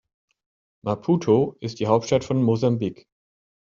Maputo ist die Hauptstadt von Mosambik.